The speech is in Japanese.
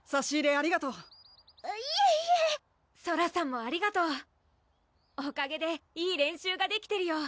ありがとういえいえソラさんもありがとうおかげでいい練習ができてるよ